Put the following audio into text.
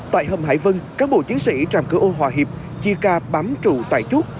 tại hầm hải vân cán bộ chiến sĩ trạm cửa ô hòa hiệp chia ca bám trụ tại chốt